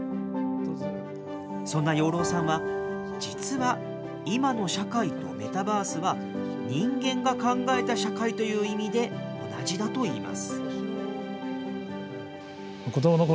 そんな養老さんは、実は今の社会とメタバースは、人間が考えた社会という意味で同じだといいます。